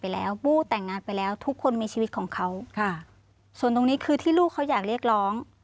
แล้วนี้คือลูกเค้าอยากเรียกร้อง